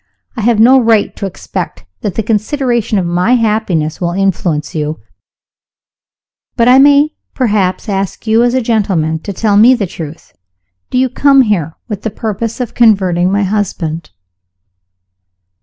I have no right to expect that the consideration of my happiness will influence you but I may perhaps ask you, as a gentleman, to tell me the truth. Do you come here with the purpose of converting my husband?"